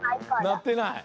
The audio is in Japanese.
なってない。